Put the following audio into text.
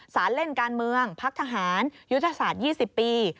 เล่นการเมืองพักทหารยุทธศาสตร์๒๐ปี